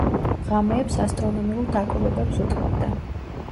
ღამეებს ასტრონომიულ დაკვირვებებს უთმობდა.